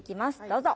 どうぞ。